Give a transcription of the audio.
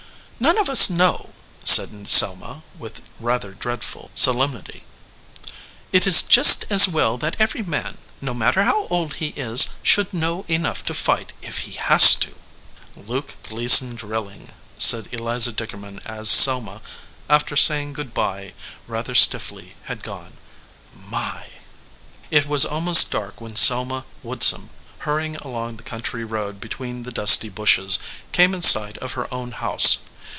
"None of us know said Selma, with rather dreadful solemnity. "It is just as well that every man, no matter how old he is, should know enough to fight if he has to." "Luke Gleason drilling," said Eliza Dickerman as Selma, after saying good by rather stiffly, had gone. "My!" It was almost dark when Selma Woodsum, hur rying along the country road between the dusty bushes, came in sight of her own house.